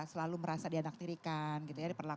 selalu merasa dianaktirikan gitu ya